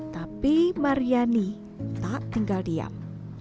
tapi maryani tak tinggal diam